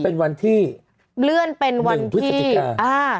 เป็นวันที่๑วิศจิกา